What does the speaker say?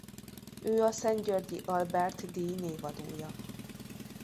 Ő a Szent-Györgyi Albert-díj névadója.